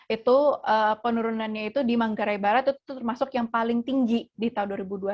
itu penurunannya itu di manggarai barat itu termasuk yang paling tinggi di tahun dua ribu dua puluh satu